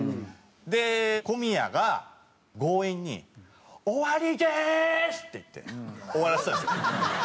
で小宮が強引に「終わりです！」って言って終わらせたんですよ。